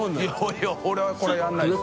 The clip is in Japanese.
い俺はこれやらないですね。